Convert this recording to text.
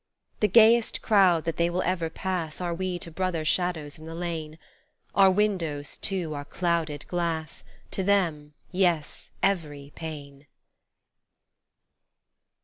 The gayest crowd that they will ever pass Are we to brother shadows in the lane : Our windows, too, are clouded glass To them, yes, every pane